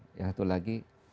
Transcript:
saya ini pejuang